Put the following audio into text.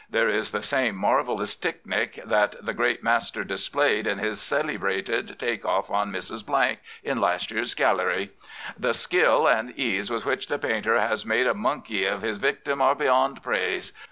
There is the same marvellous ticknick that th' great master displayed in his cillybrated take ofi on Mrs. in last year's gallery. Th' skill an' ease with which th' painter has made a monkey iv his victim are beyond praise.